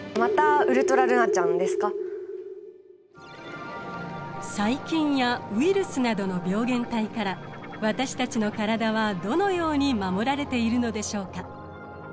また細菌やウイルスなどの病原体から私たちの体はどのように守られているのでしょうか？